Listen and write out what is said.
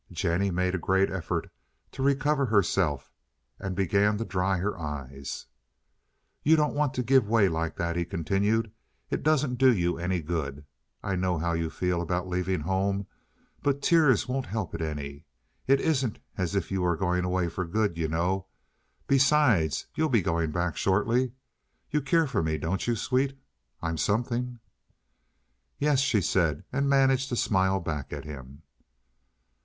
Jennie made a great effort to recover herself, and began to dry her eyes. "You don't want to give way like that," he continued. "It doesn't do you any good. I know how you feel about leaving home, but tears won't help it any. It isn't as if you were going away for good, you know. Besides, you'll be going back shortly. You care for me, don't you, sweet? I'm something?" "Yes," she said, and managed to smile back at him.